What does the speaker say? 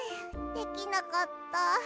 できなかった。